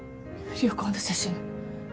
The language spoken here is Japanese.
旅行の写真。